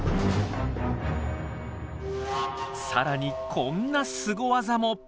さらにこんなスゴ技も！